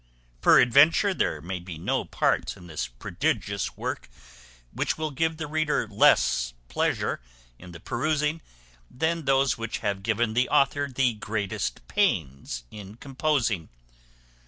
Peradventure there may be no parts in this prodigious work which will give the reader less pleasure in the perusing, than those which have given the author the greatest pains in composing.